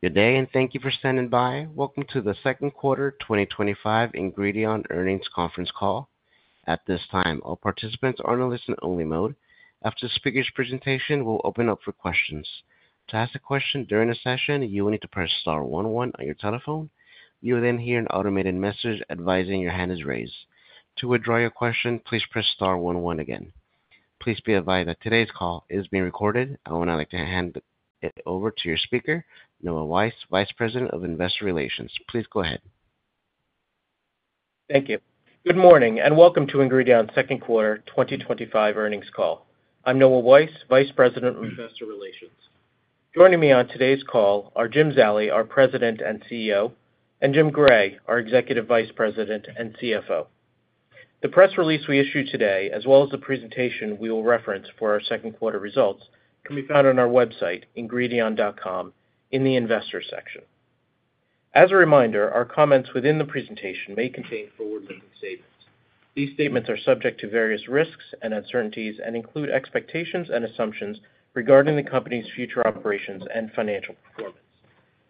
Good day and thank you for standing by. Welcome to the Second Quarter 2025 Ingredion Earnings Conference call. At this time, all participants are in a listen only mode. After the speaker's presentation, we'll open up for questions. To ask a question during a session, you will need to press star one one on your telephone. You will then hear an automated message advising your hand is raised. To withdraw your question, please press star one one again. Please be advised that today's call is being recorded. I would like to hand the call over to your speaker, Noah Weiss, Vice President of Investor Relations. Please go ahead. Thank you. Good morning and welcome to Ingredion's Second Quarter 2025 Earnings call. I'm Noah Weiss, Vice President of Investor Relations. Joining me on today's call are Jim Zallie, our President and CEO, and Jim Gray, our Executive Vice President and CFO. The press release we issued today, as well as the presentation we will reference for our second quarter results, can be found on our website ingredion.com in the Investors section. As a reminder, our comments within the presentation may contain forward-looking statements. These statements are subject to various risks and uncertainties and include expectations and assumptions regarding the company's future operations and financial performance.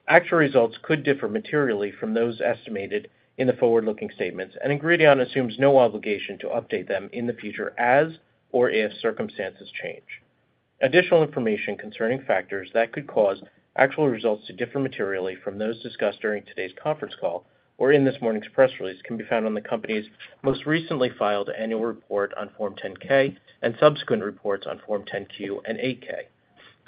Actual results could differ materially from those estimated in the forward-looking statements and Ingredion assumes no obligation to update them in the future if circumstances change. Additional information concerning factors that could cause actual results to differ materially from those discussed during today's conference call or in this morning's press release can be found on the company's most recently filed annual report on Form 10-K and subsequent reports on Form 10-Q and 8-K.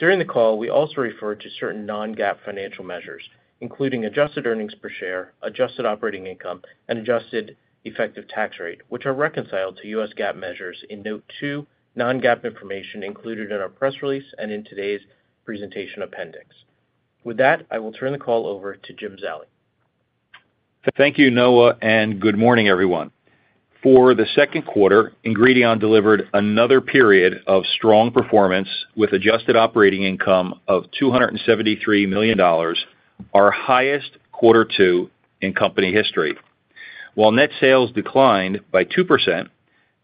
During the call, we also refer to certain non-GAAP financial measures including adjusted earnings per share, adjusted operating income, and adjusted effective tax rate, which are reconciled to U.S. GAAP measures in Note 2, non-GAAP information included in our press release and in today's presentation appendix. With that, I will turn the call over to Jim Zallie. Thank you, Noah, and good morning, everyone. For the second quarter, Ingredion delivered another period of strong performance with adjusted operating income of $273 million, our highest quarter two in company history. While net sales declined by 2%,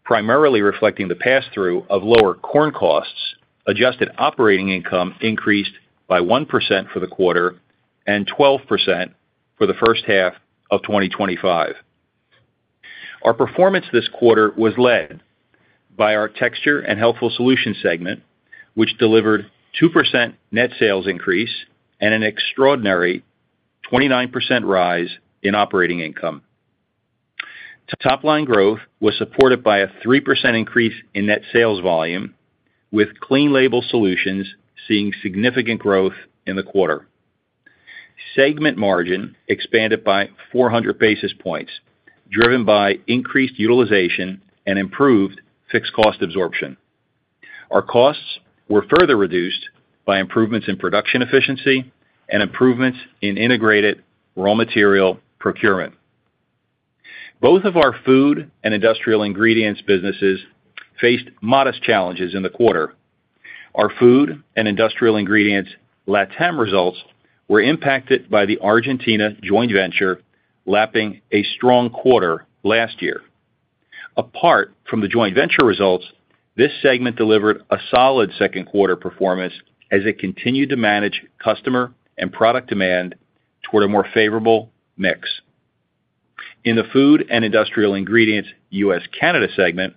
primarily reflecting the pass through of lower corn costs, adjusted operating income increased by 1% for the quarter and 12% for the first half of 2025. Our performance this quarter was led by our Texture and Healthful Solutions segment, which delivered a 2% net sales increase and an extraordinary 29% rise in operating income. Top line growth was supported by a 3% increase in net sales volume, with Clean Label Solutions seeing significant growth in the quarter. Segment margin expanded by 400 basis points, driven by increased utilization and improved fixed cost absorption. Our costs were further reduced by improvements in production efficiency and improvements in integrated raw material procurement. Both of our food and industrial ingredients businesses faced modest challenges in the quarter. Our food and industrial ingredients LATAM results were impacted by the Argentina joint venture lapping a strong quarter last year. Apart from the joint venture results, this segment delivered a solid second quarter performance as it continued to manage customer and product demand toward a more favorable mix. In the food and industrial ingredients U.S./Canada segment,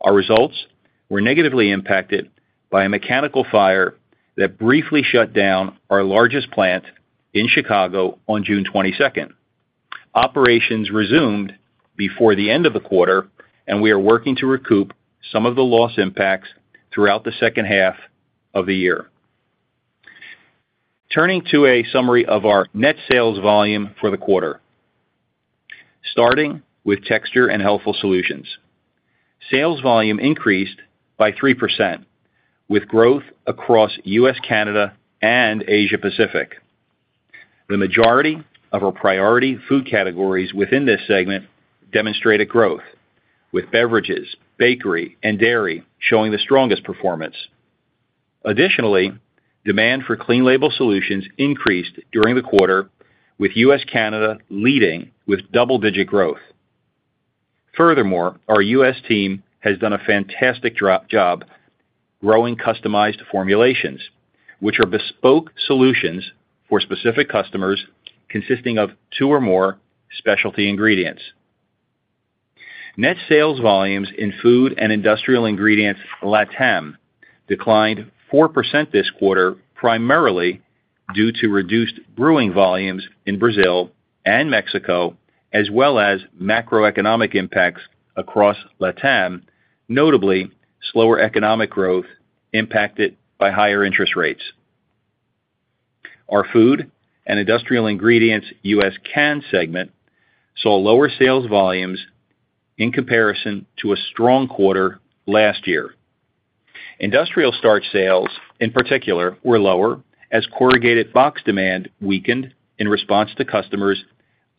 our results were negatively impacted by a mechanical fire that briefly shut down our largest plant in Chicago on June 22. Operations resumed before the end of the quarter, and we are working to recoup some of the loss impacts throughout the second half of the year. Turning to a summary of our net sales volume for the quarter, starting with Texture and Healthful Solutions, sales volume increased by 3% with growth across U.S./Canada and Asia Pacific. The majority of our priority food categories within this segment demonstrated growth, with beverages, bakery, and dairy showing the strongest performance. Additionally, demand for Clean Label Solutions increased during the quarter, with U.S,/Canada leading with double-digit growth. Furthermore, our U.S. team has done a fantastic job growing Customized Formulations, which are bespoke solutions for specific customers consisting of two or more specialty ingredients. Net sales volumes in food and industrial ingredients LATAM declined 4% this quarter, primarily due to reduced brewing volumes in Brazil and Mexico as well as macroeconomic impacts across LATAM, notably slower economic growth impacted by higher interest rates. Our food and industrial ingredients U.S./Canada segment saw lower sales volumes in comparison to a strong quarter last year. Industrial starch sales in particular were lower as corrugated box demand weakened in response to customers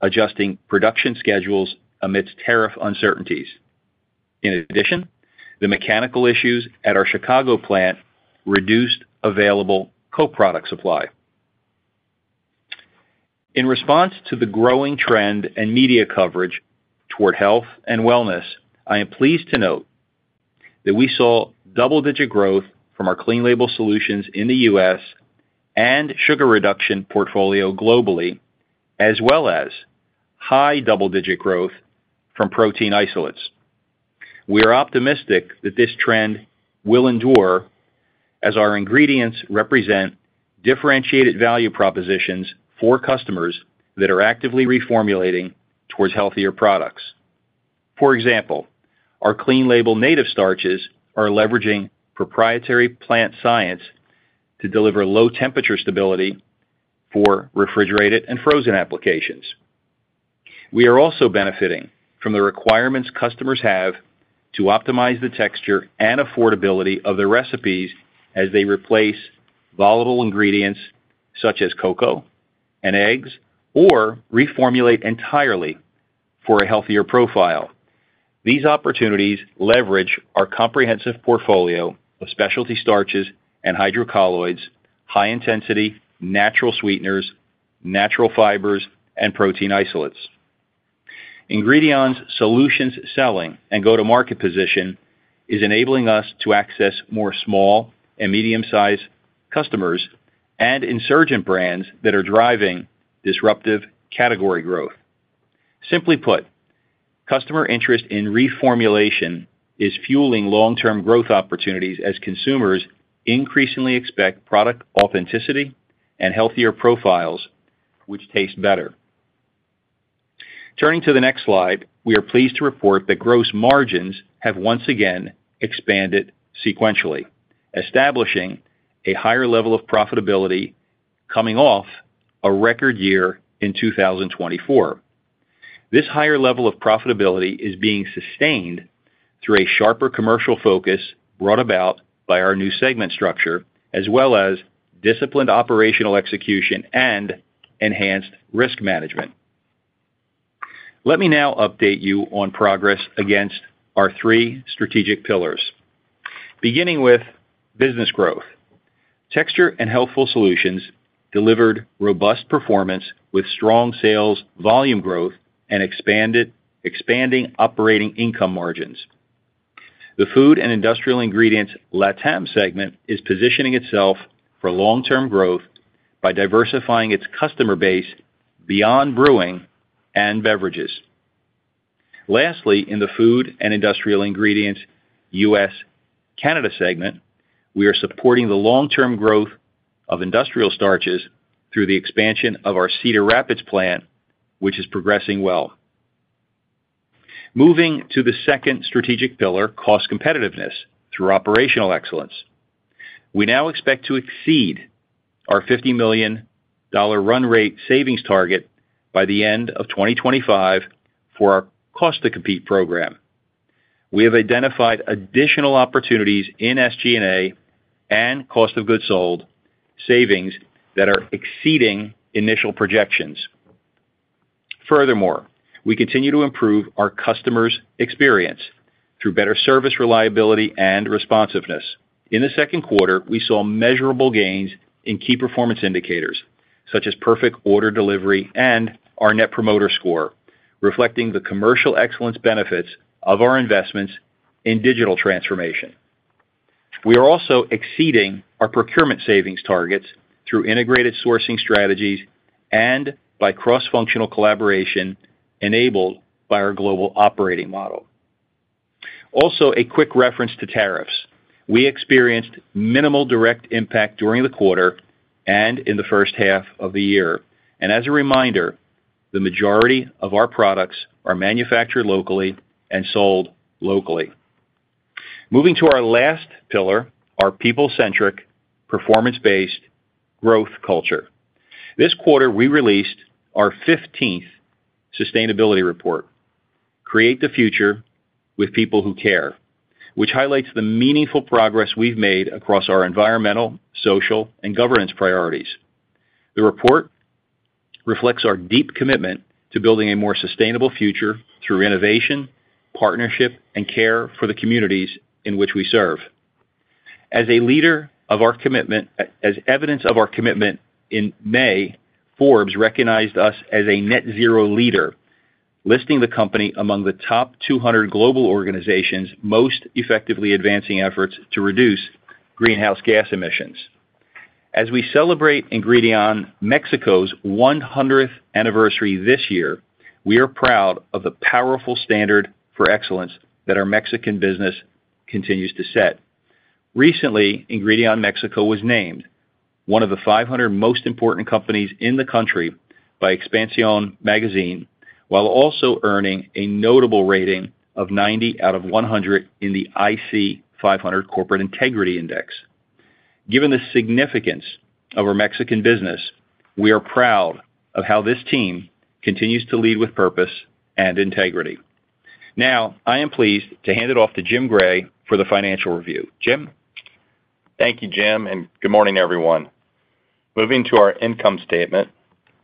adjusting production schedules amidst tariff uncertainties. In addition, the mechanical issues at our Chicago plant reduced available co-product supply. In response to the growing trend and media coverage toward health and wellness, I am pleased to note that we saw double-digit growth from our Clean Label Solutions in the US and sugar reduction portfolio globally, as well as high double-digit growth from protein isolates. We are optimistic that this trend will endure as our ingredients represent differentiated value propositions for customers that are actively reformulating towards healthier products. For example, our clean label native starches are leveraging proprietary plant science to deliver low temperature stability for refrigerated and frozen applications. We are also benefiting from the requirements customers have to optimize the texture and affordability of the recipes as they replace volatile ingredients such as cocoa and eggs or reformulate entirely for a healthier profile. These opportunities leverage our comprehensive portfolio of specialty starches and hydrocolloids, high intensity natural sweeteners, natural fibers, and protein isolates. Ingredion's solutions selling and go-to-market position is enabling us to access more small and medium sized customers and insurgent brands that are driving disruptive category growth. Simply put, customer interest in reformulation is fueling long-term growth opportunities as consumers increasingly expect product authenticity and healthier profiles which taste better. Turning to the next slide, we are pleased to report that gross margins have once again expanded sequentially, establishing a higher level of profitability and coming off a record year in 2024. This higher level of profitability is being sustained through a sharper commercial focus brought about by our new segment structure as well as disciplined operational execution and enhanced risk management. Let me now update you on progress against our three strategic pillars, beginning with Business Growth. Texture and Healthful Solutions delivered robust performance with strong sales volume growth and expanding operating income margins. The Food and Industrial Ingredients LATAM segment is positioning itself for long-term growth by diversifying its customer base beyond brewing and beverages. Lastly, in the Food and Industrial Ingredients U.S./Canada segment, we are supporting the long-term growth of industrial starches through the expansion of our Cedar Rapids plant, which is progressing well. Moving to the second strategic pillar, cost competitiveness through operational excellence, we now expect to exceed our $50 million run rate savings target by the end of 2025. For our Cost to Compete Program, we have identified additional opportunities in SG&A and cost of goods sold savings that are exceeding initial projections. Furthermore, we continue to improve our customers' experience through better service reliability and responsiveness. In the second quarter, we saw measurable gains in key performance indicators such as perfect order delivery and our Net Promoter Score, reflecting the commercial excellence benefits of our investments in digital transformation. We are also exceeding our procurement savings targets through integrated sourcing strategies and by cross-functional collaboration enabled by our global operating model. Also, a quick reference to tariffs: we experienced minimal direct impact during the quarter and in the first half of the year, and as a reminder, the majority of our products are manufactured locally and sold locally. Moving to our last pillar, our people-centric, performance-based growth culture, this quarter we released our 15th sustainability report, Create the Future with People Who Care, which highlights the meaningful progress we've made across our environmental, strategic, social, and governance priorities. The report reflects our deep commitment to building a more sustainable future through innovation, partnership, and care for the communities in which we serve. As evidence of our commitment, in May, Forbes recognized us as a net zero leader, listing the company among the top 200 global organizations most effectively advancing efforts to reduce greenhouse gas emissions. As we celebrate Ingredion Mexico's 100th anniversary this year, we are proud of the powerful standard for excellence that our Mexican business continues to set. Recently, Ingredion Mexico was named one of the 500 most important companies in the country by Expansión Magazine, while also earning a notable rating of 90 out of 100 in the IC 500 Corporate Integrity Index. Given the significance of our Mexican business, we are proud of how this team continues to lead with purpose and integrity. Now I am pleased to hand it off to Jim Gray for the Financial Review. Jim, thank you, Jim, and good morning everyone. Moving to our income statement,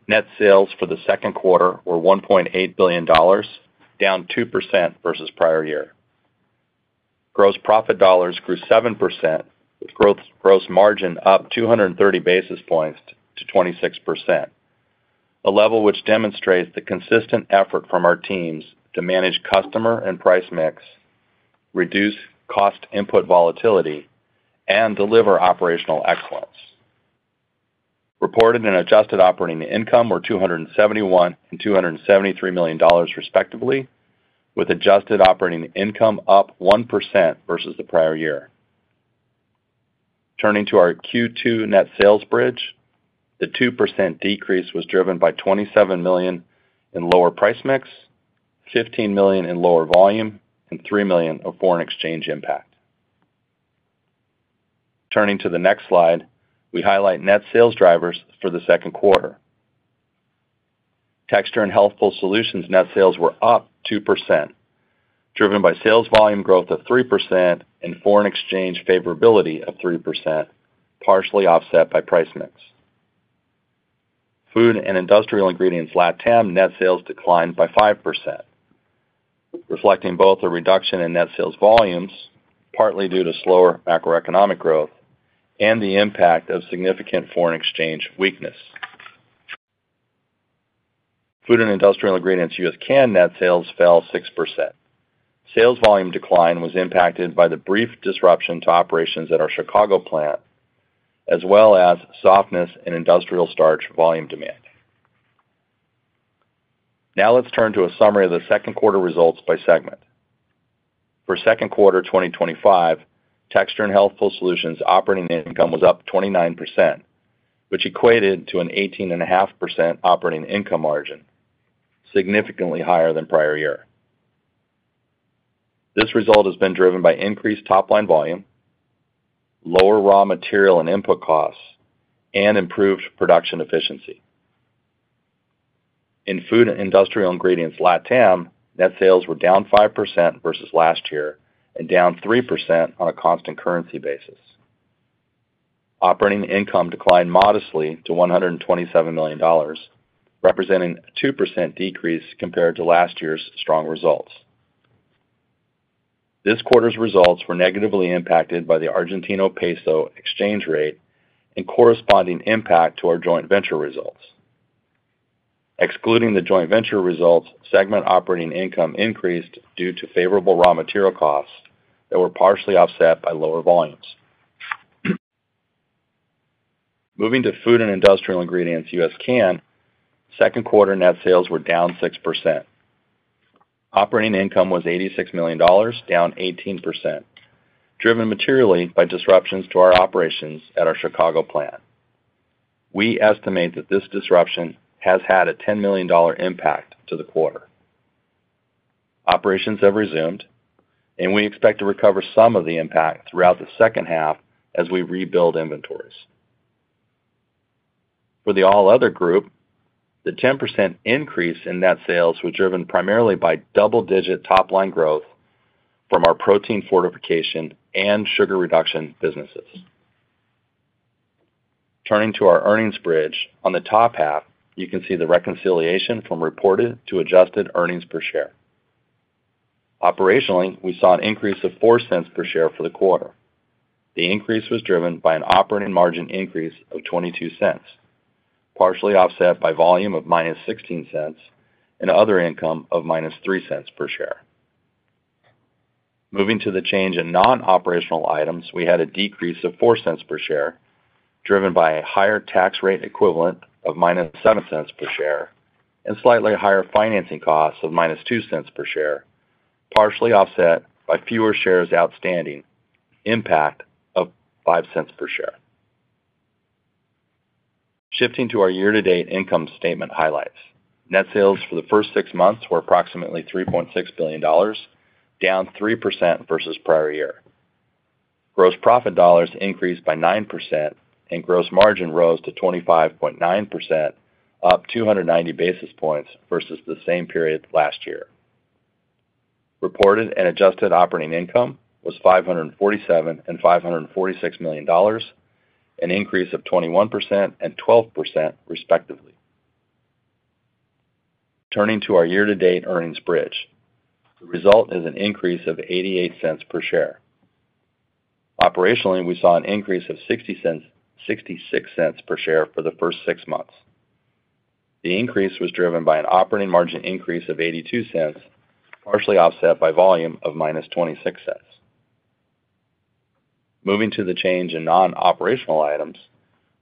net sales for the second quarter were $1.8 billion, down 2% versus prior year. Gross profit dollars grew 7% with gross margin up 230 basis points to 26%, a level which demonstrates the consistent effort from our teams to manage customer and price mix, reduce cost input volatility, and deliver operational excellence. Reported and adjusted operating income were $271 million and $273 million, respectively, with adjusted operating income up 1% versus the prior year. Turning to our Q2 net sales bridge, the 2% decrease was driven by $27 million in lower price mix, $15 million in lower volume, and $3 million of foreign exchange impact. Turning to the next slide, we highlight net sales drivers for the second quarter. Texture and Healthful Solutions net sales were up 2%, driven by sales volume growth of 3% and foreign exchange favorability of 3%, partially offset by price mix. Food and industrial ingredients LATAM net sales declined by 5%, reflecting both a reduction in net sales volumes partly due to slower macroeconomic growth and the impact of significant foreign exchange weakness. Food and industrial ingredients U.S./Canada net sales fell 6%. Sales volume decline was impacted by the brief disruption to operations at our Chicago plant as well as softness in industrial starch volume demand. Now let's turn to a summary of the second quarter results by segment. For second quarter 2025, Texture and Healthful Solutions operating income was up 29%, which equated to an 18.5% operating income margin, significantly higher than prior year. This result has been driven by increased top line volume, lower raw material and input costs, and improved production efficiency in food and industrial ingredients. LATAM net sales were down 5% versus last year and down 3% on a constant currency basis. Operating income declined modestly to $127 million, representing a 2% decrease compared to last year's strong results. This quarter's results were negatively impacted by the Argentine peso exchange rate and corresponding impact to our joint venture results. Excluding the joint venture results, segment operating income increased due to favorable raw material costs that were partially offset by lower volumes. Moving to food and industrial ingredients U.S./Canada, second quarter net sales were down 6%. Operating income was $86 million, down 18%, driven materially by disruptions to our operations at our Chicago plant. We estimate that this disruption has had a $10 million impact to the quarter. Operations have resumed and we expect to recover some of the impact throughout the second half as we rebuild inventories. For. The all other group. The 10% increase in net sales was driven primarily by double-digit top line growth from our protein fortification and sugar reduction businesses. Turning to our earnings bridge on the top half, you can see the reconciliation from reported to adjusted earnings per share. Operationally, we saw an increase of $0.04 per share for the quarter. The increase was driven by an operating margin increase of $0.22, partially offset by volume of -$0.16 and other income of -$0.03 per share. Moving to the change in non-operational items, we had a decrease of $0.04 per share driven by a higher tax rate equivalent of -$0.07 per share and slightly higher financing costs of -$0.02 per share, partially offset by fewer shares outstanding. Impact of $0.05 per share. Shifting to our year-to-date income statement highlights, net sales for the first six months were approximately $3.6 billion, down 3% versus prior year. Gross profit dollars increased by 9% and gross margin rose to 25.9%, up 290 basis points versus the same period last year. Reported and adjusted operating income was $547 million and $546 million, an increase of 21% and 12% respectively. Turning to our year-to-date earnings bridge, the result is an increase of $0.88 per share. Operationally, we saw an increase of $0.66 per share for the first six months. The increase was driven by an operating margin increase of $0.82, partially offset by volume of -$0.26. Moving to the change in non-operational items,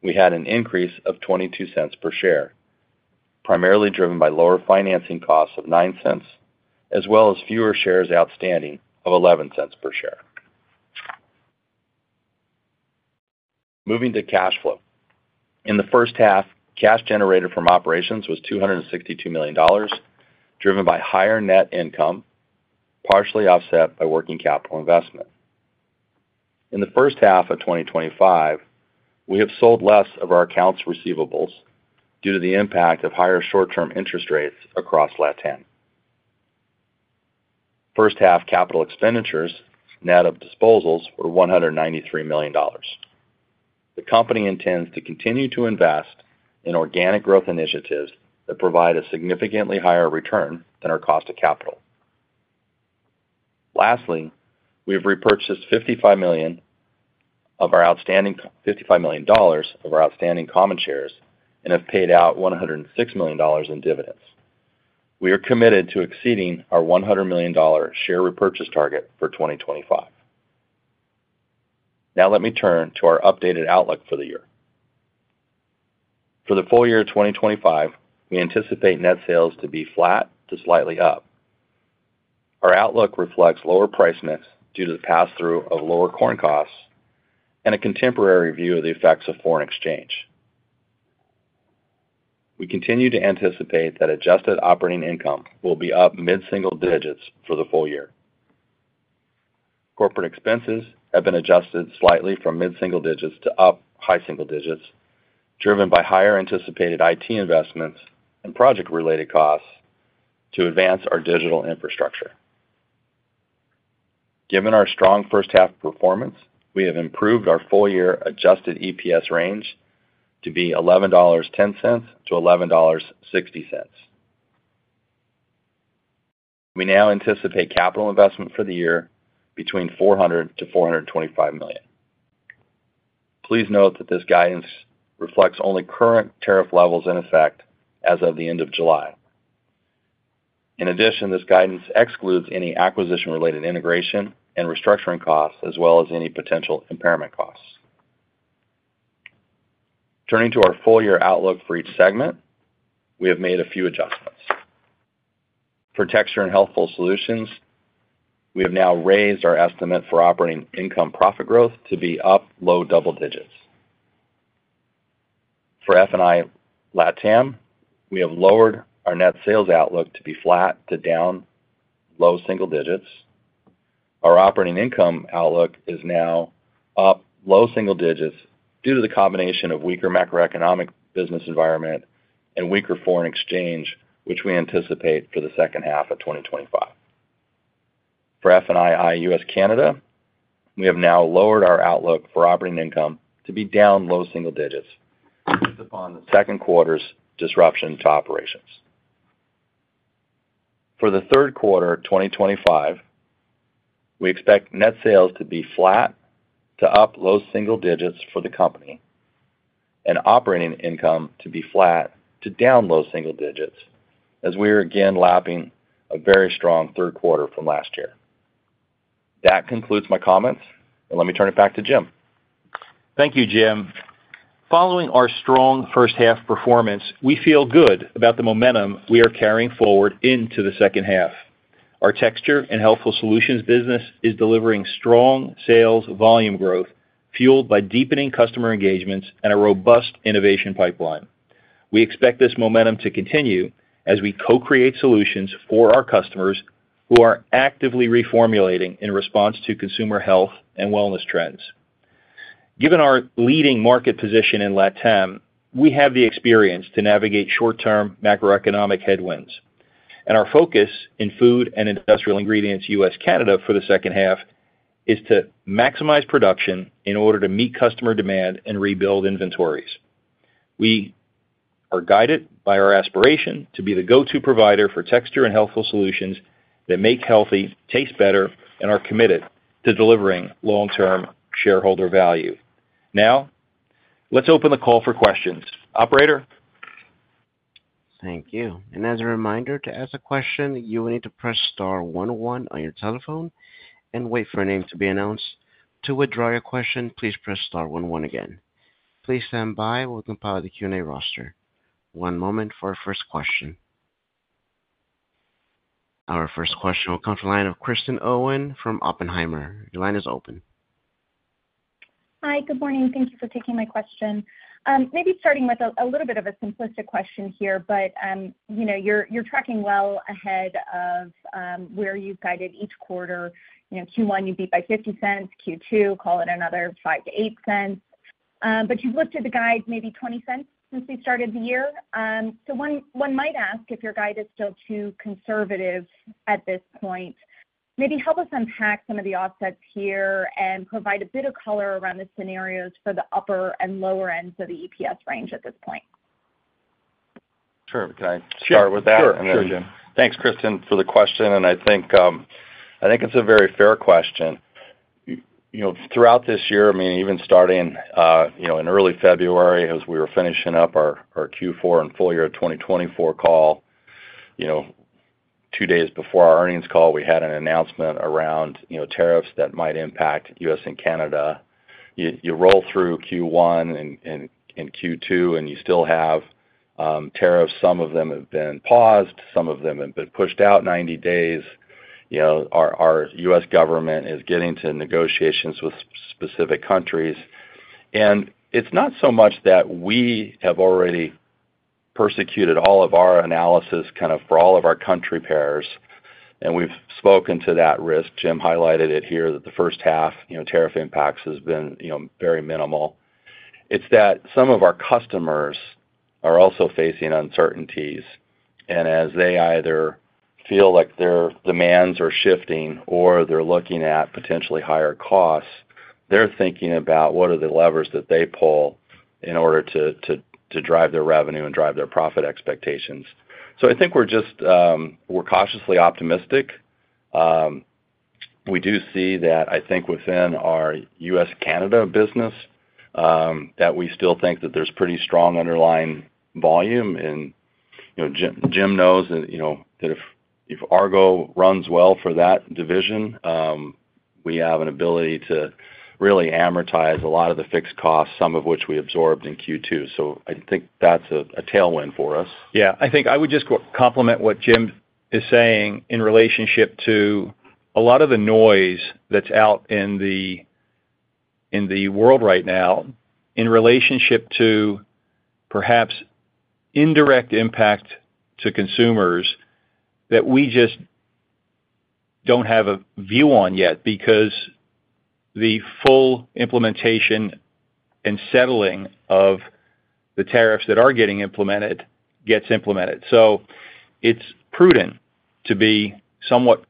we had an increase of $0.22 per share, primarily driven by lower financing costs of $0.09 as well as fewer shares outstanding of $0.11 per share. Moving to cash flow in the first half, cash generated from operations was $262 million, driven by higher net income partially offset by working capital investment. In the first half of 2025, we have sold less of our accounts receivables due to the impact of higher short-term interest rates across LATAM. First half. Capital expenditures net of disposals were $193 million. The company intends to continue to invest in organic growth initiatives that provide a significantly higher return than our cost of capital. Lastly, we have repurchased $55 million of our outstanding common shares and have paid out $106 million in dividends. We are committed to exceeding our $100 million share repurchase target for 2025. Now let me turn to our updated outlook for the year. For the full year 2025, we anticipate net sales to be flat to slightly up. Our outlook reflects lower price mix due to the pass through of lower corn costs and a contemporary view of the effects of foreign exchange. We continue to anticipate that adjusted operating income will be up mid single digits for the full year. Corporate expenses have been adjusted slightly from mid single digits to up high single digits driven by higher anticipated IT investments and project related costs to advance our digital infrastructure. Given our strong first half performance, we have improved our full year adjusted EPS range to be $11.10 to $11.60. We now anticipate capital investment for the year between $400 million to $425 million. Please note that this guidance reflects only current tariff levels in effect as of the end of July. In addition, this guidance excludes any acquisition related integration and restructuring costs as well as any potential impairment costs. Turning to our full year outlook for each segment, we have made a few adjustments for Texture and Healthful Solutions. We have now raised our estimate for operating income profit growth to be up low double digits. For LATAM, we have lowered our net sales outlook to be flat to down low single digits. Our operating income outlook is now up low single digits due to the combination of weaker macroeconomic business environment and weaker foreign exchange which we anticipate for the second half of 2025. For U.S./Canada, we have now lowered our outlook for operating income to be down low single digits based upon the second quarter's disruption to operations. For the third quarter 2025, we expect net sales to be flat to up low single digits for the company and operating income to be flat to down low single digits as we are again lapping a very strong third quarter from last year. That concludes my comments and let me turn it back to Jim. Thank you, Jim. Following our strong first half performance, we feel good about the momentum we are carrying forward into the second half. Our Texture and Healthful Solutions business is delivering strong sales volume growth, fueled by deepening customer engagements and a robust innovation pipeline. We expect this momentum to continue as we co-create solutions for our customers who are actively reformulating in response to consumer health and wellness trends. Given our leading market position in LATAM, we have the experience to navigate short-term macroeconomic headwinds, and our focus in food and industrial ingredients U.S./Canada for the second half is to maximize production in order to meet customer demand and rebuild inventories. We are guided by our aspiration to be the go-to provider for texture and healthful solutions that make healthy taste better and are committed to delivering long-term shareholder value. Now, let's open the call for questions. Operator Thank you. As a reminder, to ask a question, you will need to press star one one on your telephone and wait for a name to be announced. To withdraw your question, please press star one one again. Please stand by. We'll compile the Q&A roster. One moment for our first question. Our first question will come from the line of Kristen Owen from Oppenheimer. Your line is open. Hi, good morning. Thank you for taking my question. Maybe starting with a little bit of a simplistic question here, but you're tracking well ahead of where you've guided each quarter. Q1 you beat by $0.50. Q2, call it another $0.05 to $0.08. You've looked at the guide maybe $0.20 since we started the year. One might ask if your guide is still too conservative at this point. Maybe help us unpack some of the offsets here and provide a bit of color around the scenarios for the upper and lower ends of the EPS range at this point. Sure. Can I start with that? Thanks, Kristen, for the question and I think it's a very fair question. Throughout this year, even starting in early February, as we were finishing up our Q4 and full year 2024 call, two days before our earnings call, we had an announcement around tariffs that might impact U.S. and Canada. You roll through Q1 and Q2 and you still have tariffs. Some of them have been paused, some of them have been pushed out 90 days. Our U.S. government is getting to negotiations with specific countries. It's not so much that we have already prosecuted all of our analysis for all of our country pairs and we've spoken to that risk. Jim highlighted it here that the first half, tariff impacts have been very minimal. Some of our customers are also facing uncertainties. As they either feel like their demands are shifting or they're looking at potentially higher costs, they're thinking about what are the levers that they pull in order to drive their revenue and drive their profit expectations. I think we're just, we're cautiously optimistic. We do see that, I think within our U.S. Canada business, that we still think that there's pretty strong underlying volume. Jim knows that if Argo runs well for that division, we have an ability to really amortize a lot of the fixed costs, some of which we absorbed in Q2. I think that's a tailwind for us. Yeah, I think I would just complement what Jim is saying in relationship to a lot of the noise that's out in the world right now in relationship to perhaps indirect impact to consumers that we just don't have a view on yet because the full implementation and settling of the tariffs that are getting implemented gets implemented. It's prudent to be somewhat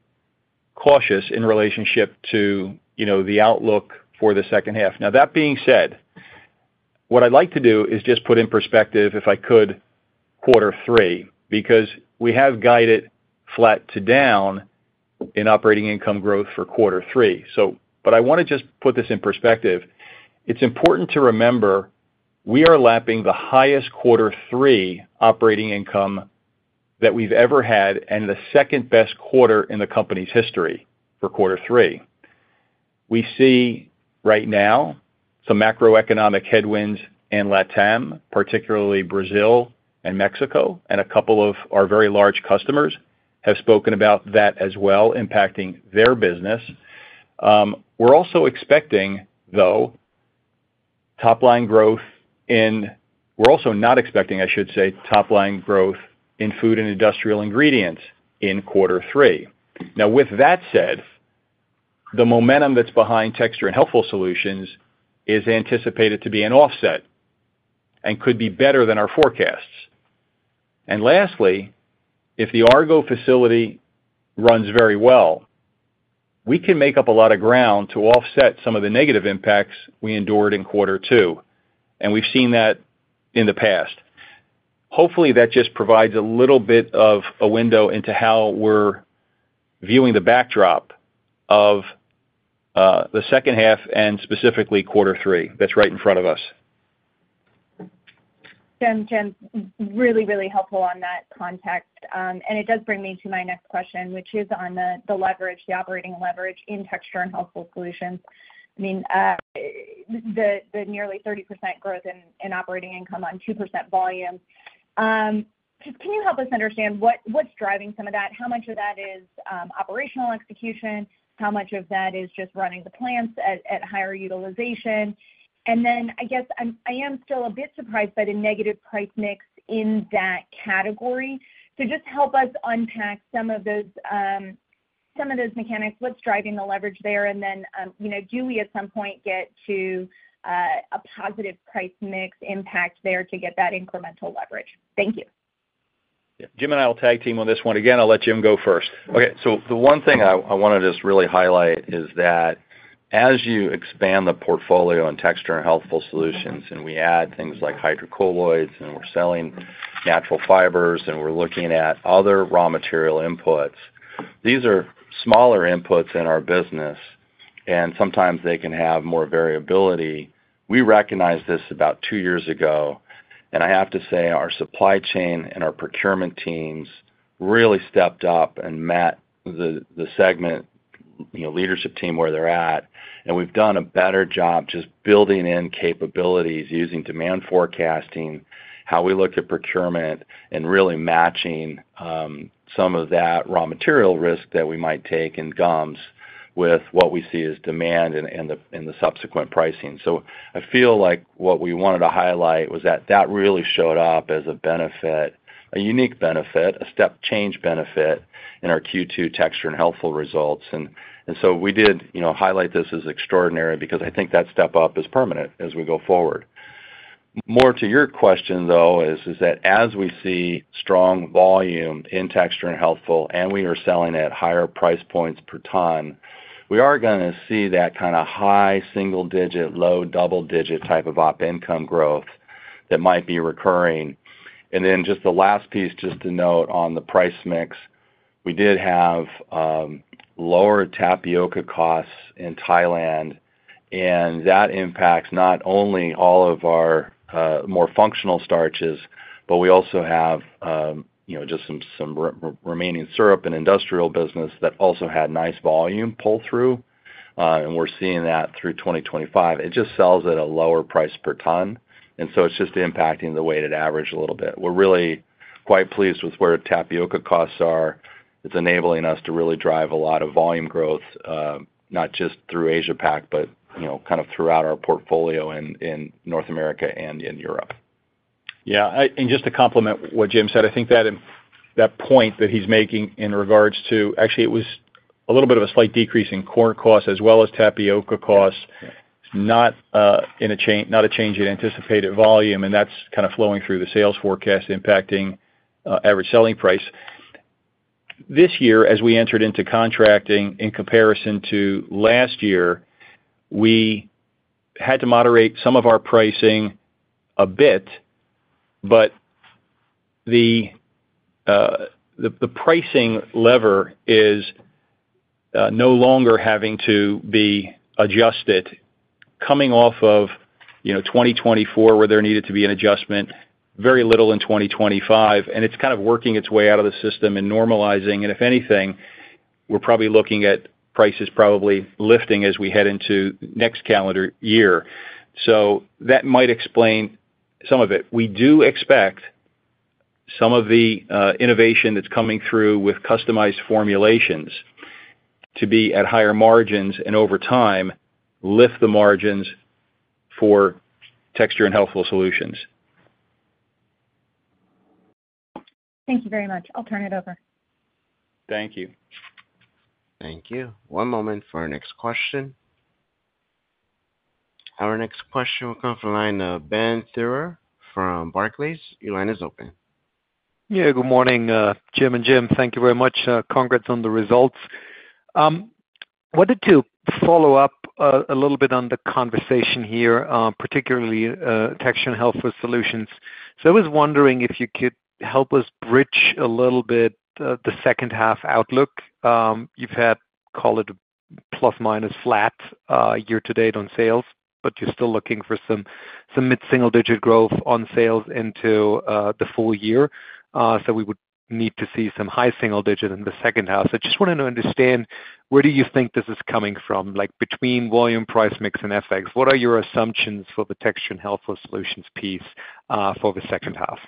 cautious in relationship to the outlook for the second half. That being said, what I'd like to do is just put in perspective, if I could, quarter three, because we have guided flat to down in operating income growth for quarter three. I want to just put this in perspective. It's important to remember we are lapping the highest quarter three operating income that we've ever had and the second best quarter in the company's history for quarter three. We see right now some macroeconomic headwinds in LATAM, particularly Brazil and Mexico, and a couple of our very large customers have spoken about that as well, impacting their business. We're also not expecting top line growth in food and industrial ingredients in quarter three. With that said, the momentum that's behind Texture and Healthful Solutions is anticipated to be an offset and could be better than our forecasts. Lastly, if the Argo facility runs very well, we can make up a lot of ground to offset some of the negative impacts we endured in quarter two. We've seen that in the past. Hopefully that just provides a little bit of a window into how we're viewing the backdrop of the second half and specifically quarter three that's right in front of us. Really helpful on that context. It does bring me to my next question, which is on the leverage, the operating leverage in the Texture and Healthful Solutions segment. I mean, the nearly 30% growth in operating income on 2% volume. Can you help us understand what's driving some of that? How much of that is operational execution, how much of that is just running the plants at higher utilization? I am still a bit surprised by the negative price mix in that category. Help us unpack some of those mechanics. What's driving the leverage there, and do we at some point get to a positive price mix impact there to get that incremental leverage? Thank you. Jim, and I will tag team on this one again. I'll let Jim go first. Okay. The one thing I want to just really highlight is that as you expand the portfolio in Texture and Healthful Solutions and we add things like hydrocolloids and we're selling natural fibers and we're looking at other raw material inputs, these are smaller inputs in our business and sometimes they can have more variability. We recognized this about two years ago and I have to say our supply chain and our procurement teams really stepped up and met the segment leadership team where they're at. We've done a better job just building in capabilities, using demand, forecasting how we look at procurement and really matching some of that raw material risk that we might take in gums with what we see as demand in the subsequent pricing. I feel like what we wanted to highlight was that that really showed up as a benefit, a unique benefit, a step change benefit in our Q2 Texture and Healthful results. We did highlight this as extraordinary because I think that step up is permanent as we go forward. More to your question though is that as we see strong volume in Texture and Healthful and we are selling at higher price points per ton, we are going to see that kind of high single digit, low double digit type of op income growth that might be recurring. Just the last piece, just to note on the price mix, we did have lower tapioca costs in Thailand and that impacts not only all of our more functional starches, but we also have just some remaining syrup and industrial business that also had nice volume pull through. We're seeing that through 2025, it just sells at a lower price per ton. It's just impacting the weighted average a little bit. We're really quite pleased with where tapioca costs are. It's enabling us to really drive a lot of volume growth, not just through Asia Pac, but kind of throughout our portfolio in North America and in Europe. Yeah, just to complement what Jim said, I think that point that he's making in regards to actually it was a little bit of a slight decrease in corn costs as well as tapioca. Costs. Not a change in anticipated volume. That's kind of flowing through the sales forecast, impacting average selling price. This year, as we entered into contracting in comparison to last year, we had to moderate some of our pricing a bit. The pricing lever is no longer having to be adjusted. Coming off of 2024, where there needed to be an adjustment, very little in 2025. It's kind of working its way out of the system and normalizing, and if anything, we're probably looking at prices probably lifting as we head into next calendar year. That might explain some of it. We do expect some of the innovation that's coming through with Customized Formulations to be at higher margins and over time lift the margins for the Texture and Healthful Solutions segment. Thank you very much. I'll turn it over. Thank you. Thank you. One moment for our next question. Our next question will come from the line of Ben Theurer from Barclays. Your line is open. Yeah. Good morning, Jim and Jim, thank you very much. Congrats on the results. Wanted to follow up a little bit on the conversation here, particularly Texture and Healthful Solutions. I was wondering if you could help us bridge a little bit the second half outlook. You've had, call it a plus minus flat year to date on sales, but you're still looking for some mid single digit growth on sales into the full year. We would need to see some high single digit in the second half. I just wanted to understand where do you think this is coming from. Like between volume, price mix, and FX, what are your assumptions for the Texture and Healthful Solutions piece for the second half?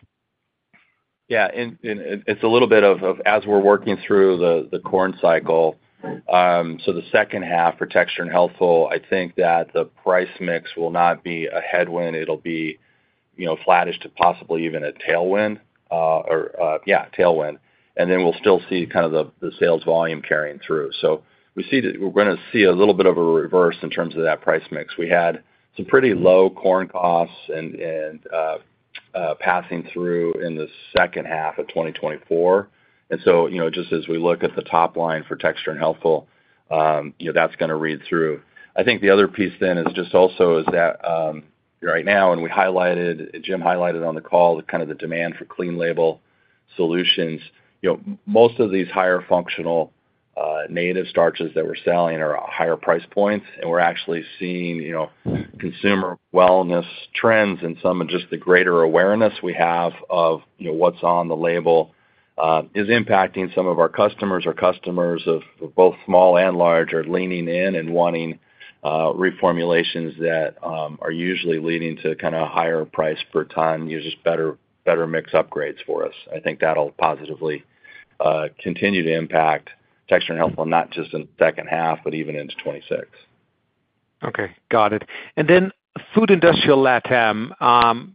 Yeah, it's a little bit as we're working through the corn cycle. The second half for Texture and Healthful Solutions, I think that the price mix will not be a headwind. It'll be flattish to possibly even a tailwind. We'll still see kind of the sales volume carrying through. We see that we're going to see a little bit of a reverse in terms of that price mix. We had some pretty low corn costs passing through in the second half of 2024. Just as we look at the top line for Texture and Healthful Solutions, that's going to read through. I think the other piece then is just also that right now, and we highlighted, Jim highlighted on the call, kind of the demand for Clean Label Solutions. Most of these higher functional native starches that we're selling are higher price points, and we're actually seeing consumer wellness trends and some of just the greater awareness we have of what's on the label is impacting some of our customers. Our customers, both small and large, are leaning in and wanting reformulations that are usually leading to kind of higher price per ton uses, better mix upgrades. For us, I think that will positively continue to impact Texture and Healthful Solutions, not just in the second half, but even into 2026. Okay, got it. Food industrial, LATAM.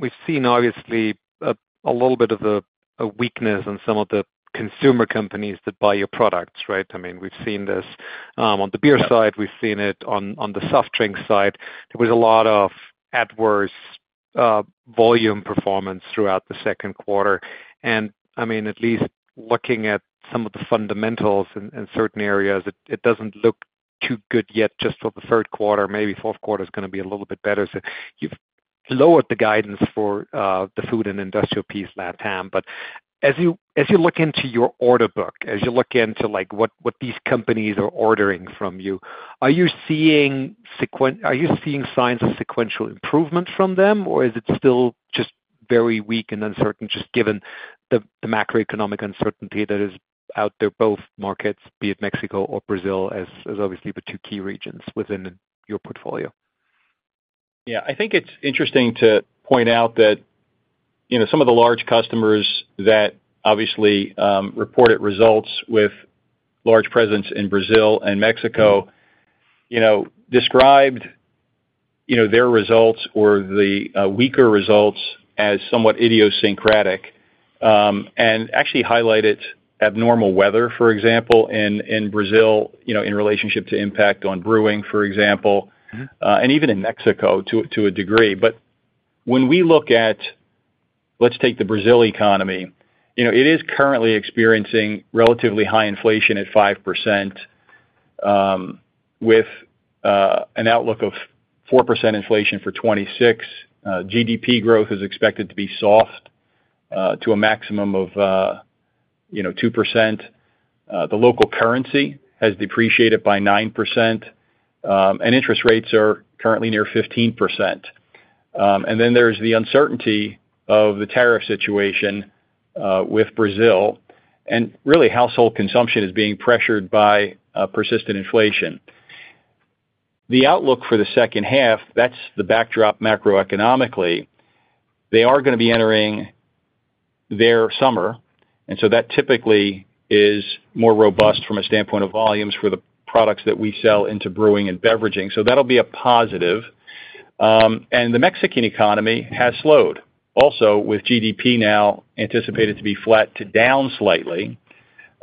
We've seen obviously a little bit of a weakness in some of the consumer companies that buy your products. Right. I mean, we've seen this on the beer side, we've seen it on the soft drink side. There was a lot of adverse volume performance throughout the second quarter. I mean, at least looking at some of the fundamentals in certain areas, it doesn't look too good yet just for the third quarter. Maybe fourth quarter is going to be a little bit better. You've lowered the guidance for the food and industrial piece, LATAM. As you look into your order book, as you look into what these companies are ordering from you, are you seeing signs of sequential improvement from them or is it still just very weak and uncertain, given the macroeconomic uncertainty that is out there? Both markets, be it Mexico or Brazil, as obviously the two key regions within your portfolio. Yeah, I think it's interesting to point out that some of the large customers that obviously reported results with large presence in Brazil and Mexico described their results or the weaker results as somewhat idiosyncratic and actually highlighted abnormal weather, for example, in Brazil in relationship to impact on brewing, for example, and even in Mexico to a degree. When we look at, let's take the Brazil economy, it is currently experiencing relatively high inflation at 5% with an outlook of 4% inflation for 2026. GDP growth is expected to be soft to a maximum of 2%, the local currency has depreciated by 9% and interest rates are currently near 15%. There is the uncertainty of the tariff situation with Brazil and really household consumption is being pressured by persistent inflation. The outlook for the second half, that's the backdrop. Macroeconomically they are going to be entering their summer and that typically is more robust from a standpoint of volumes for the products that we sell into brewing and beveraging. That will be a positive. The Mexican economy has slowed also with GDP now anticipated to be flat to down slightly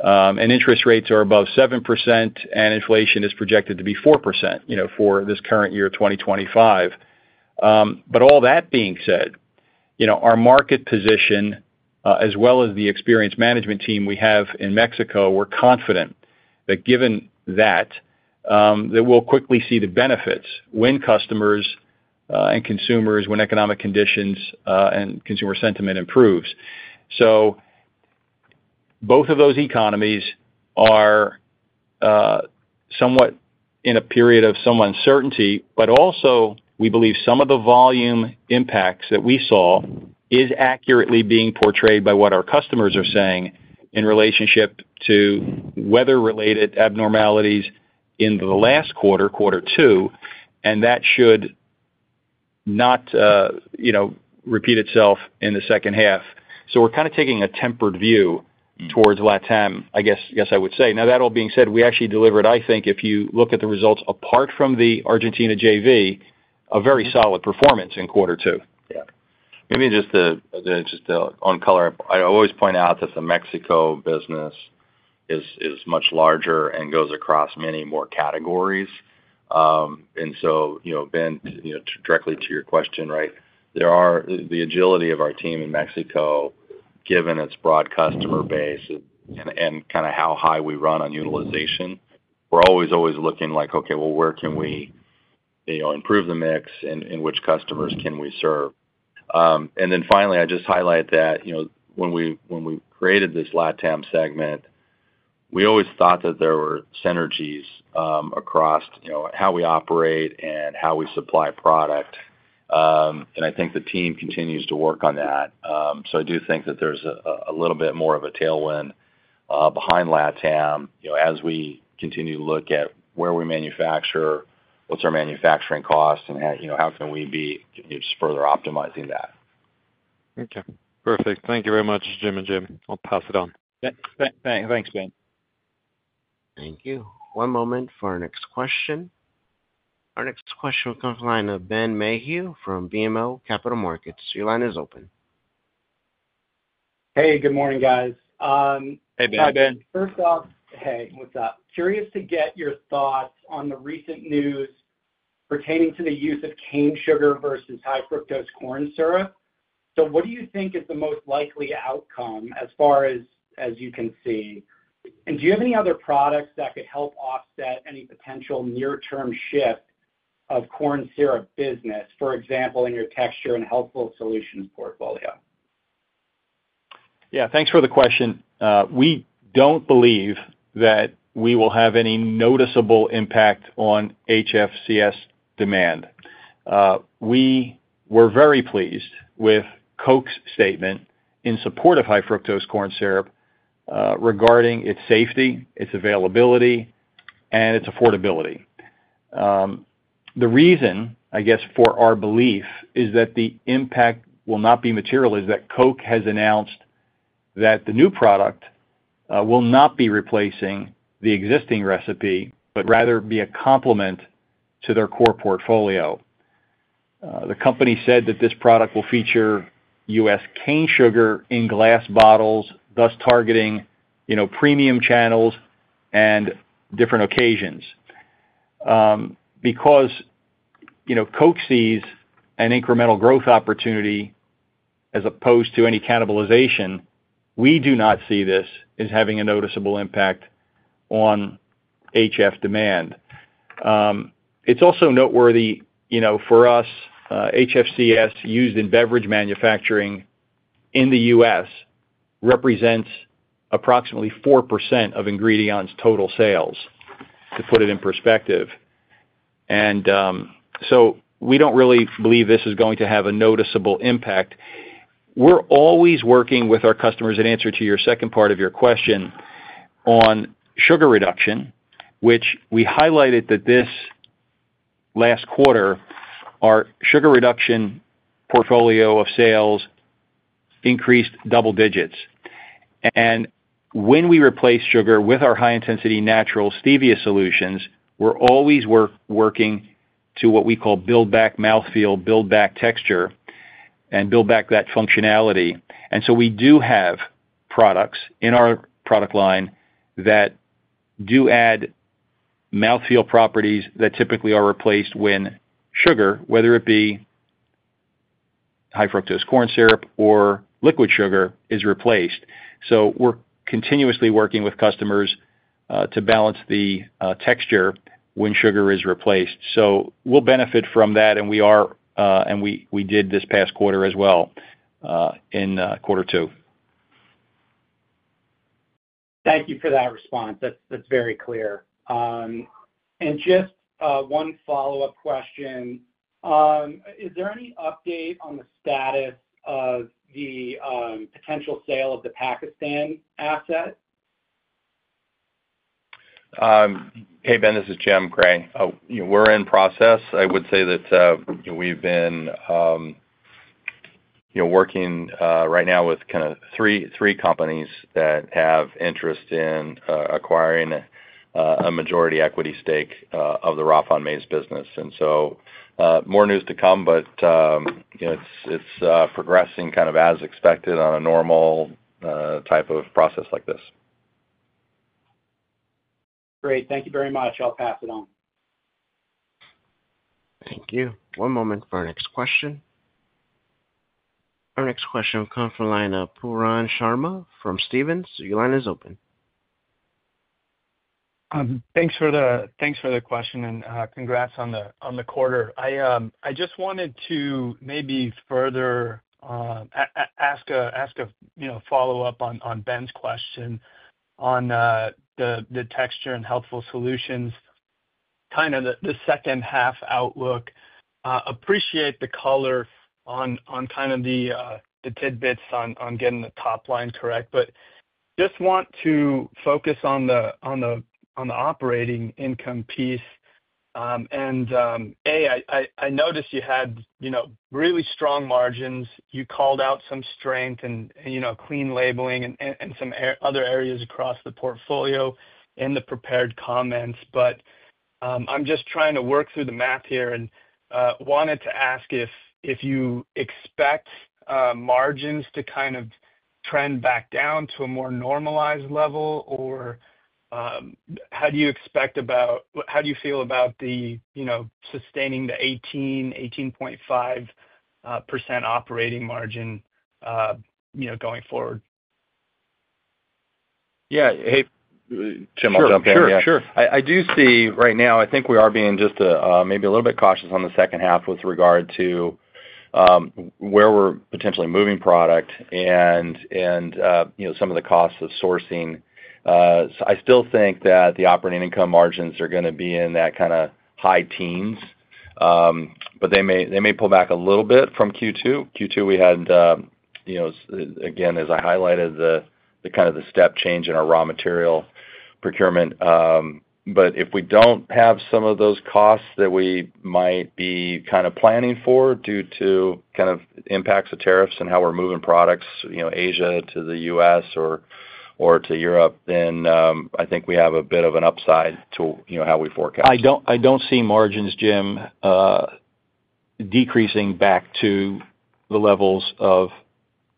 and interest rates are above 7% and inflation is projected to be 4% for this current year 2025. All that being said, our market position as well as the experienced management team we have in Mexico, we're confident that given that we'll quickly see the benefits when customers and consumers, when economic conditions and consumer sentiment improves. Both of those economies are somewhat in a period of some uncertainty. We believe some of the volume impacts that we saw is accurately being portrayed by what our customers are saying in relationship to weather related abnormalities in the last quarter, quarter 2, and that should not repeat itself in the second half. We're kind of taking a tempered view towards LATAM, I guess. I would say now that all being said, we actually delivered. I think if you look at the results apart from the Argentina JV, a. Very solid performance in quarter two. Maybe just on color, I always point out that the Mexico business is much larger and goes across many more categories. Ben, directly to your question, the agility of our team in Mexico, given its broad customer base and how high we run on utilization, we're always looking like, okay, where can we improve the mix and which customers can we serve? I just highlight that when we created this LATAM segment, we always thought that there were synergies across how we operate and how we supply product. I think the team continues to work on that. I do think that there's a little bit more of a tailwind behind LATAM as we continue to look at where we manufacture, what's our manufacturing cost, and how can we be further optimizing that? Okay, perfect. Thank you very much, Jim and Jim. I'll pass it on. Thanks Ben. Thank you. One moment for our next question. Our next question will come from the line of Ben Mayhew from BMO Capital Markets. Your line is open. Hey, good morning guys. Hey Ben. First off, hey, what's up? Curious to get your thoughts on the. Recent news pertaining to the use of cane sugar versus high fructose corn syrup. What do you think is the. Most likely outcome as far as you can see? Do you have any other products? That could help offset any potential near-term shift of corn syrup business. Example, in your Texture and Healthful Solutions segment? Yeah, thanks for the question. We don't believe that we will have any noticeable impact on HFCS demand. We were very pleased with Coke's statement in support of high fructose corn syrup regarding its safety, its availability, and its affordability. The reason, I guess, for our belief that the impact will not be material is that Coke has announced that the new product will not be replacing the existing recipe but rather be a complement to their core portfolio. The company said that this product will feature U.S. cane sugar in glass bottles, thus targeting premium channels and different occasions. Because Coke sees an incremental growth opportunity as opposed to any cannibalization, we do not see this as having a noticeable impact on HF demand. It's also noteworthy for us, HFCS used in beverage manufacturing in the U.S. represents approximately 4% of Ingredion's total sales, to put it in perspective. We don't really believe this is going to have a noticeable impact. We're always working with our customers. In answer to your second part of your question on sugar reduction, which we highlighted that this last quarter our sugar reduction portfolio of sales increased double digits. When we replace sugar with our high intensity natural stevia solutions, we're always working to what we call build back mouthfeel, build back texture, and build back that functionality. We do have products in our product line that do add mouthfeel properties that typically are replaced when sugar, whether it be high fructose corn syrup or liquid sugar, is replaced. We're continuously working with customers to balance the texture when sugar is replaced. We'll benefit from that, and we are, and we did this past quarter as well in quarter two. Thank you for that response. That's very clear. Just one follow up question. Is there any update on the status of the potential sale of the Pakistan asset? Hey Ben, this is Jim Gray. We're in process. I would say that we've been working right now with kind of three companies that have interest in acquiring a majority equity stake of the raw corn maize business. More news to come, but it's progressing kind of as expected on a normal type of process like this. Great. Thank you very much. I'll pass it on. Thank you. One moment for our next question. Our next question will come from the line. Pooran Sharma from Stephens. Your line is open. Thanks for the question and congrats on the quarter. I just wanted to maybe further. Ask. A follow up on Ben's question on the Texture and Healthful Solutions segment. Kind of the second half outlook. Appreciate the color on kind of the tidbits on getting the top line correct, but just want to focus on the operating income piece and I noticed you had really strong margins. You called out some strength in Clean Label Solutions and some other areas across the portfolio in the prepared comments. I'm just trying to work through the math here and wanted to ask if you expect margins to trend back down to a more normalized level or how do you feel about sustaining the 18, 18.5% operating margin going forward. Yeah. Hey Jim, I'll jump in. Sure, sure. I do see right now I think we are being just maybe a little bit cautious on the second half with regard to where we're potentially moving product and some of the costs of sourcing. I still think that the operating income margins are going to be in that kind of high teens, but they may pull back a little bit from Q2. Q2 we had again as I highlighted kind of the step change in our raw material procurement. If we don't have some of those costs that we might be kind of planning for due to impacts of tariffs and how we're moving products Asia to the U.S. or to Europe, I think we have a bit of an upside to how we forecast. I don't see margins, Jim, decreasing back to the levels of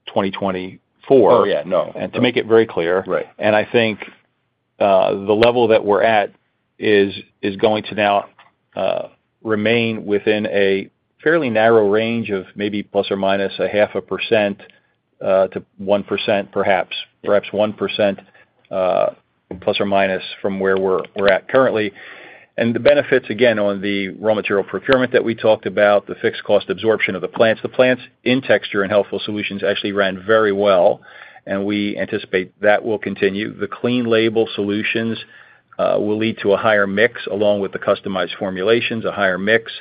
2024 to make it very clear. I think the level that we're at is going to now remain within a fairly narrow range of maybe plus or minus 0.5% to 1%, perhaps 1% plus or minus from where we're at currently. The benefits again on the raw material procurement that we talked about, the fixed cost absorption of the plants, the plants in the Texture and Healthful Solutions segment actually ran very well and we anticipate that will continue. The Clean Label Solutions will lead to a higher mix along with the Customized Formulations, a higher mix.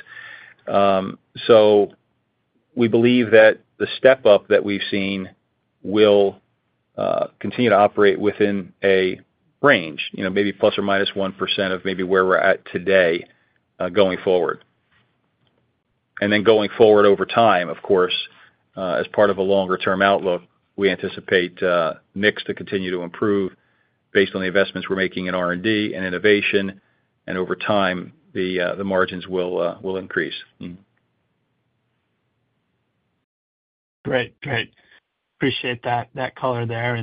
We believe that the step up that we've seen will continue to operate within a range maybe plus or minus 1% of maybe where we're at today going forward and then going forward over time. Of course, as part of a longer term outlook, we anticipate mix to continue to improve based on the investments we're making in R&D and innovation. Over time the margins will increase. Great, great. Appreciate that color there.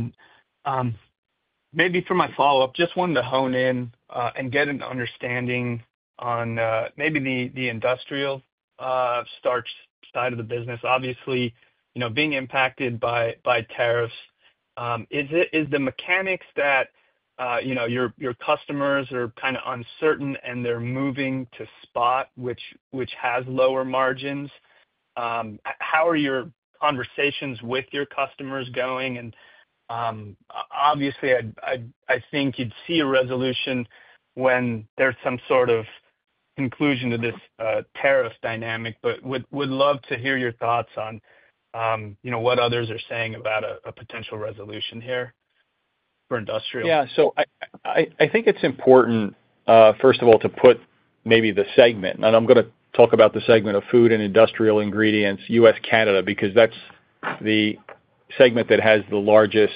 For my follow up, just wanted to hone in and get an understanding on maybe the industrial starch side of the business. Obviously being impacted by tariffs is the mechanics that your customers are kind of uncertain and they're moving to spot, which has lower margins. How are your conversations with your customers going? Obviously I think you'd see a resolution when there's some sort of conclusion to this tariff dynamic. Would love to hear your thoughts on what others are saying about a potential resolution here for industrial. Yeah, so I think it's important first of all to put maybe the segment, and I'm going to talk about the segment of food and industrial ingredients, U.S./Canada, because that's the segment that has the largest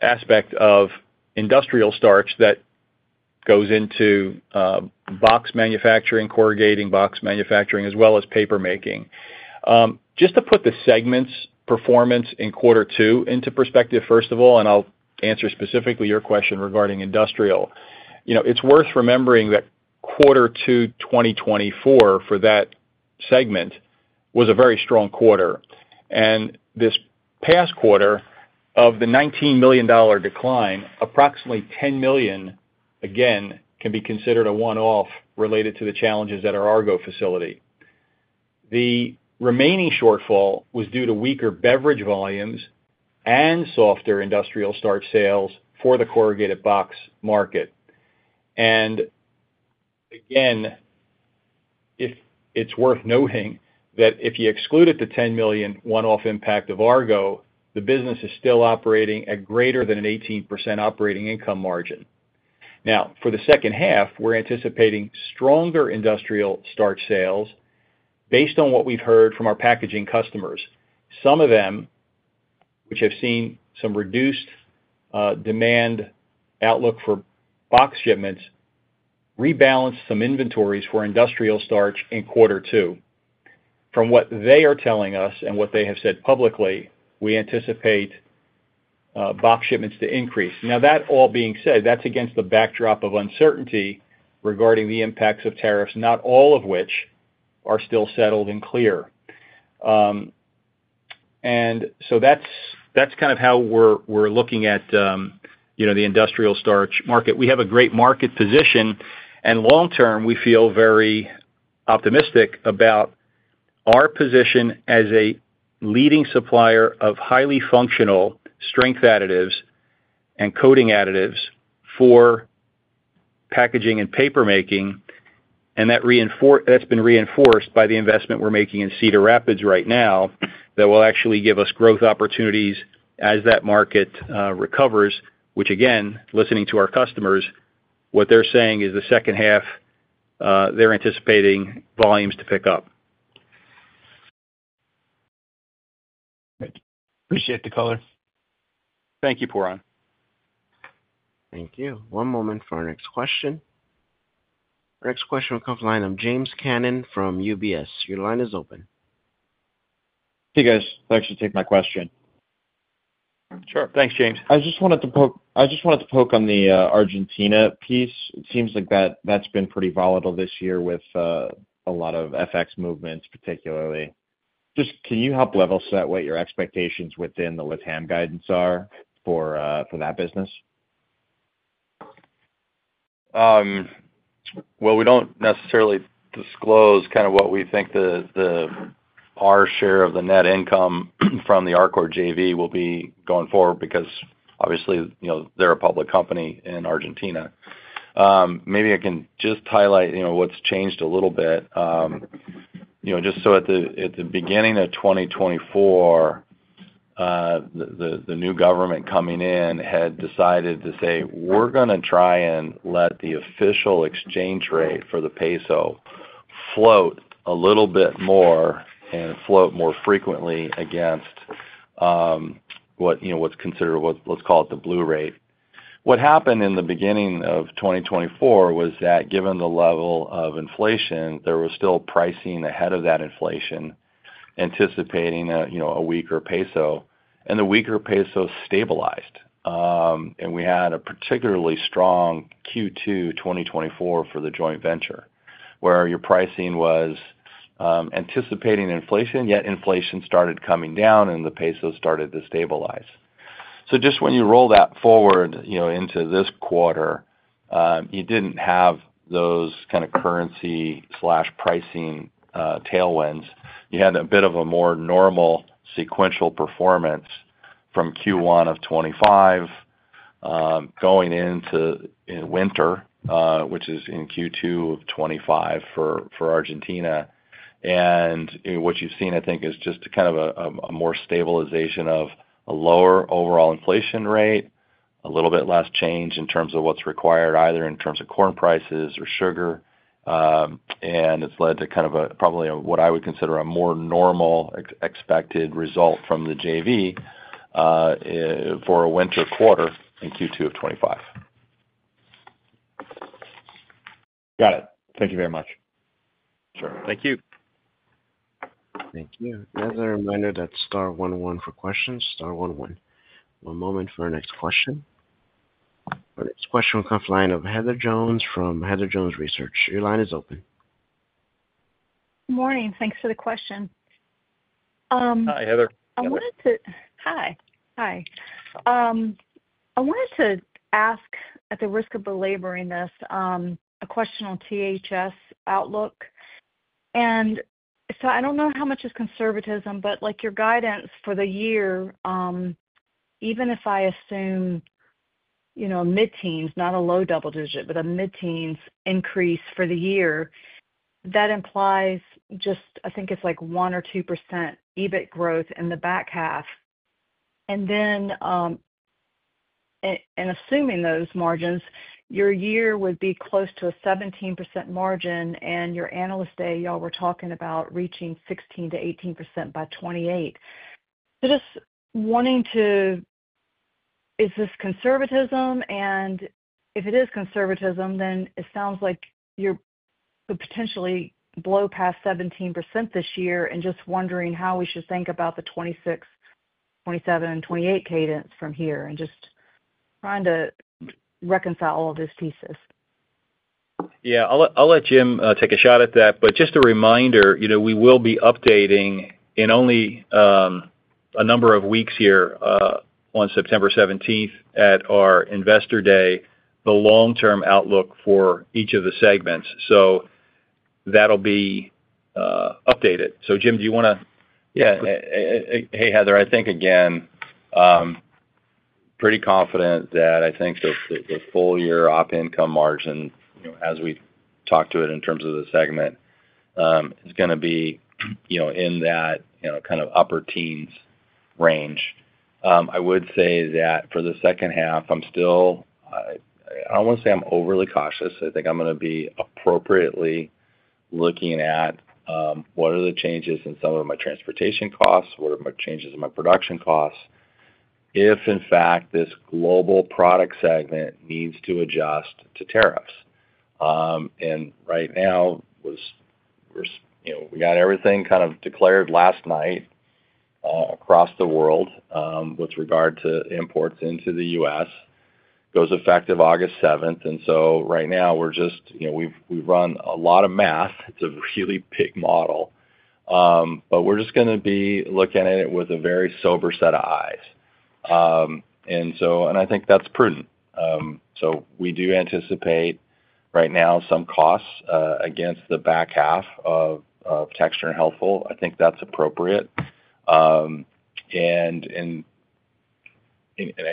aspect of industrial starch that goes into box manufacturing, corrugating box manufacturing as well as paper making. Just to put the segment's performance in quarter two into perspective, first of all, and I'll answer specifically your question regarding industrial, it's worth remembering that quarter two, 2024 for that segment was a very strong quarter. This past quarter, of the $19 million decline, approximately $10 million again can be considered a one-off related to the challenges at our Argo facility. The remaining shortfall was due to weaker beverage volumes and softer industrial starch sales for the corrugated box market. If it's worth noting that if you excluded the $10 million one-off impact of Argo, the business is still operating at greater than an 18% operating income margin. Now for the second half, we're anticipating stronger industrial starch sales based on what we've heard from our packaging customers, some of them which have seen some reduced demand outlook for packaging box shipments, rebalanced some inventories for industrial starch in quarter two. From what they are telling us and what they have said publicly, we anticipate box shipments to increase. That all being said, that's against the backdrop of uncertainty regarding the impacts of tariffs, not all of which are still settled and clear. That's kind of how we're looking at the industrial starch market. We have a great market position and long term we feel very optimistic about our position as a leading supplier of highly functional strength additives and coating additives for packaging and paper making. That's been reinforced by the investment we're making in Cedar Rapids right now that will actually give us growth opportunities as that market recovers. Listening to our customers, what they're saying is the second half they're anticipating volumes to pick up. Appreciate the color. Thank you Pooran. Thank you. One moment for our next question. Our next question comes online. I'm James Cannon from UBS. Your line is open. Hey guys, thanks for taking my question. Sure, thanks, James. I just wanted to poke on the Argentina piece. It seems like that's been pretty volatile this year with a lot of FX movements, particularly. Can you help level set what your expectations within the LATAM guidance are for that business? We don't necessarily disclose what we think our share of the net income from the Arcor JV will be going forward because obviously they're a public company in Argentina. Maybe I can just highlight what's changed a little bit. At the beginning of 2024, the new government coming in had decided to say we're going to try and let the official exchange rate for the peso float a little bit more and float more frequently against what's considered, let's call it, the blue rate. What happened in the beginning of 2024 was that given the level of inflation, there was still pricing ahead of that inflation, anticipating a weaker peso. The weaker peso stabilized, and we had a particularly strong Q2 2024 for the joint venture where your pricing was anticipating inflation, yet inflation started coming down and the peso started to stabilize. Just when you roll that forward into this quarter, you didn't have those kind of currency pricing tailwinds. You had a bit of a more normal sequential performance from Q1 of 2025 going into winter, which is in Q2 of 2025 for Argentina. What you've seen, I think, is just kind of a more stabilization of a lower overall inflation rate, a little bit less change in terms of what's required either in terms of corn prices or sugar. It's led to probably what I would consider a more normal expected result from the JV. For a. Winter quarter in Q2 of 2025. Got it. Thank you very much. Sure. Thank you. Thank you. As a reminder, that is star one one for questions. star one one. One moment for our next question. Our next question will come to the line of Heather Jones from Heather Jones Research. Your line is open. Morning. Thanks for the question. Hi, Heather. I wanted to ask, at the risk of belaboring this, a question on this outlook. I don't know how much is conservatism, but your guidance for the year, even if I assume mid teens, not a low double digit, but a mid teens increase for the year, that implies just, I think it's like 1 or 2% EBIT growth in the back half. In assuming those margins, your year would be close to a 17% margin. At your analyst day, you all were talking about reaching 16 to 18% by 2028. Is this conservatism? If it is conservatism, then it sounds like you could potentially blow past 17% this year. I'm just wondering how we should think about the 2026, 2027, and 2028 cadence from here and just trying to reconcile all these pieces. Yeah, I'll let Jim take a shot at that. Just a reminder, we will be updating in only a number of weeks here on September 17 at our Investor Day the long-term outlook for each of the segments. That'll be updated. Jim, do you want to? Yeah. Hey Heather, I think again, pretty confident that I think the full year op income margin as we talk to it in terms of the segment is going to be in that, you know, kind of upper teens range. I would say that for the second half I'm still, I don't want to say I'm overly cautious. I think I'm going to be appropriately looking at what are the changes in some of my transportation costs, what are my changes in my production costs. If in fact this global product segment needs to adjust to tariffs. Right now, we got everything kind of declared last night across the world with regard to imports into the U.S. goes effective August 7th. Right now we're just, we've run a lot of math. It's a really big model, but we're just going to be looking at it with a very sober set of eyes and I think that's prudent. We do anticipate right now some costs against the back half of Texture and Healthful Solutions. I think that's appropriate. I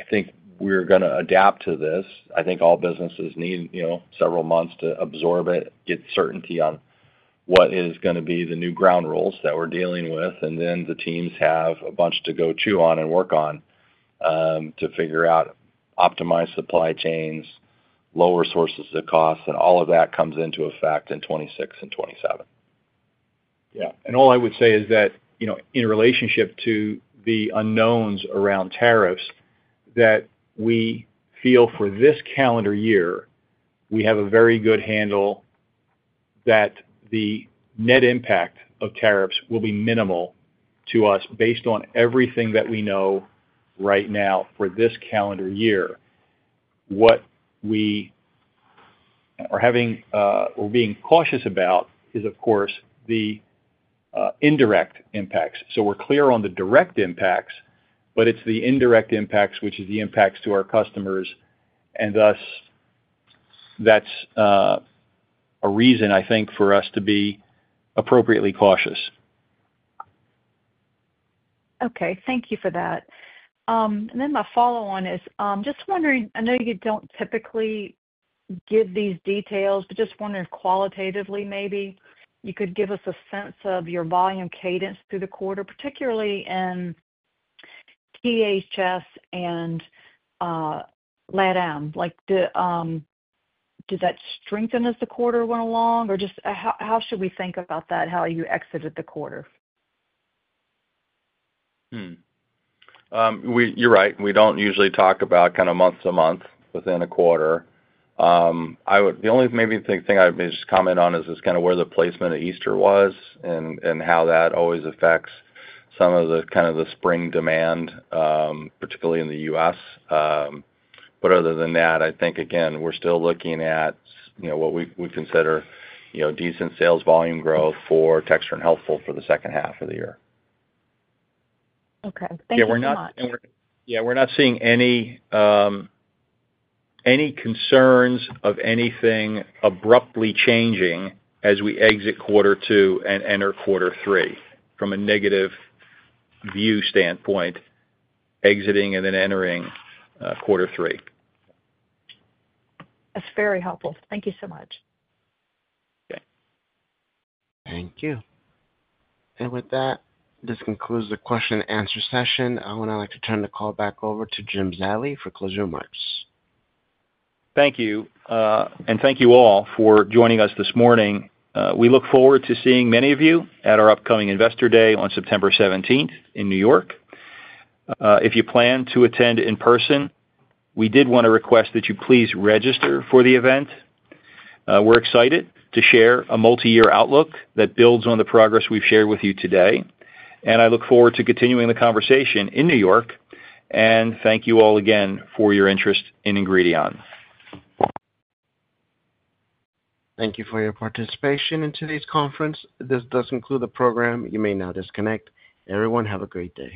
think. We're going to adapt to this. I think all businesses need several months to absorb it, get certainty on what is going to be the new ground rules that we're dealing with, and then the teams have a bunch to go chew on and work on to figure out optimized supply chains, lower sources of cost, and all of that comes into effect in 2026 and 2027. Yeah. All I would say is that in relationship to the unknowns around tariffs, we feel for this calendar year we have a very good handle that the net impact of tariffs will be minimal to us based on everything that we know right now for this calendar year. We are being cautious about the indirect impacts. We are clear on the direct impacts, but it is the indirect impacts, which is the impacts to our customers. That is a reason I think for us to be appropriately cautious. Okay, thank you for that. My follow on is just wondering, I know you don't typically give these details, but just wondering qualitatively, maybe you could give us a sense of your volume cadence through the quarter, particularly in THS and LATAM. Did that strengthen as the quarter went along or just how should we think about that, how you exited the quarter? You're right. We don't usually talk about kind of month to month within a quarter. The only maybe thing I may just comment on is kind of where the placement of Easter was and how that always affects some of the kind of the spring demand, particularly in the U.S., but other than that, I think again, we're still looking at what we consider decent sales volume growth for Texture and Healthful Solutions for the second half of the year. Okay, thank you very much. Yeah, we're not seeing any concerns of anything abruptly changing as we exit quarter two and enter quarter three from a negative view standpoint, exiting and then entering quarter three. That's very helpful. Thank you so much. Thank you. With that, this concludes the Q&A session. I would now like to turn the call back over to Jim Zallie for closing remarks. Thank you. Thank you all for joining us this morning. We look forward to seeing many of you at our upcoming Investor Day on September 17 in New York. If you plan to attend in person, we did want to request that you please register for the event. We're excited to share a multi-year outlook that builds on the progress we've shared with you today. I look forward to continuing the conversation in New York. Thank you all again for your interest in Ingredion. Thank you for your participation in today's conference. This does conclude the program. You may now disconnect. Everyone have a great day.